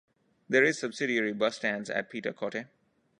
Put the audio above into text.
There is subsidiary bus stands at Pita Kotte.